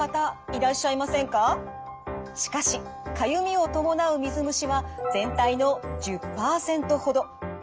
しかしかゆみを伴う水虫は全体の１０％ほど。